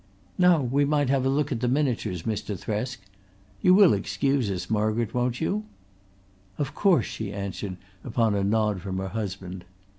"Now we might have a look at the miniatures, Mr. Thresk. You will excuse us, Margaret, won't you?" "Of course," she answered upon a nod from her husband.